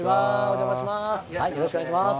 よろしくお願いします。